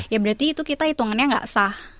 ya berarti itu kita hitungannya nggak sah